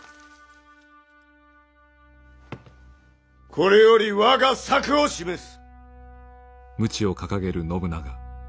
これより我が策を示す。